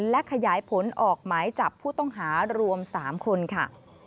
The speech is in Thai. และขยายผลออกหมายจับผู้ต้องหารวม๓คนค่ะ